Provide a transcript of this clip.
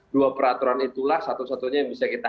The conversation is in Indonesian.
dua peraturan itulah satu satunya yang bisa kita